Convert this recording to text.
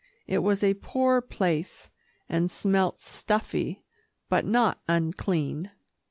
It was a poor place, and smelt stuffy, but not unclean.